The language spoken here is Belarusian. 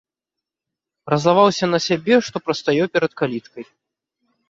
Раззлаваўся на сябе, што прастаяў перад каліткай.